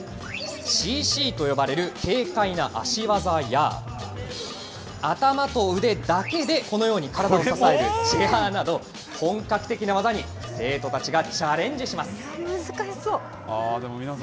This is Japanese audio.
ＣＣと呼ばれる軽快な足技や、頭と腕だけで、このように体を支えるチェアーなど、本格的な技に生徒たちがチャこれは難しそう。